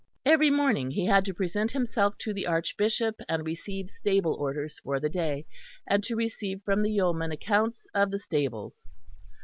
Every morning he had to present himself to the Archbishop and receive stable orders for the day, and to receive from the yeoman accounts of the stables.